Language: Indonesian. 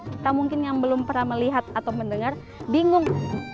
kita mungkin yang belum pernah melihat atau mendengar bingung